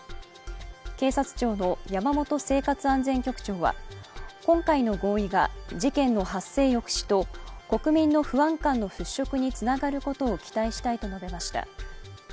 警察庁の山本生活安全局長は今回の合意が事件の発生抑止と国民の不安感の払拭につながることを期待したいと述べました。